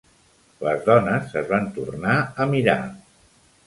Les dones es van tornar a mirar.